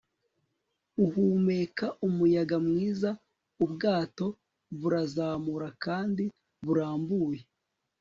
Uhumeka umuyaga mwiza ubwato burazamura kandi burambuye